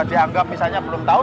dianggap misalnya belum tahu